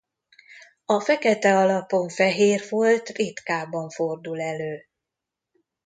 A fekete alapon fehér folt ritkábban fordul elő.